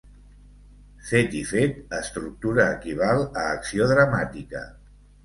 Fet i fet estructura equival a acció dramàtica.